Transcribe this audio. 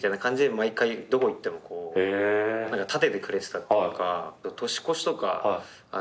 毎回どこ行ってもこう立ててくれてたっていうか。